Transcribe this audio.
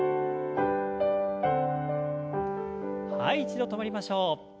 はい一度止まりましょう。